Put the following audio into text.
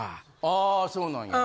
あそうなんや。